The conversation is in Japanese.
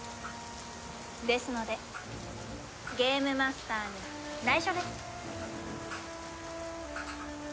ですのでゲームマスターには内緒です。